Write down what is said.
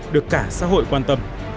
được cả xã hội quan tâm